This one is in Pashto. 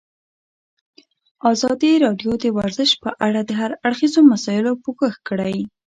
ازادي راډیو د ورزش په اړه د هر اړخیزو مسایلو پوښښ کړی.